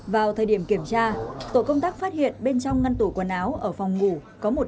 vào thời điểm kiểm tra tổ công tác phát hiện bên trong ngăn tủ quần áo ở phòng ngủ có một